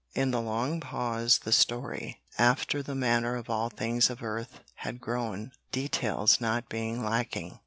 In the long pause the story, after the manner of all things of earth, had grown, details not being lacking.